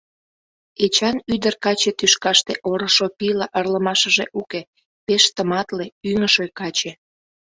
Эчан ӱдыр-каче тӱшкаште орышо пийла ырлымашыже уке, пеш тыматле, ӱҥышӧ каче.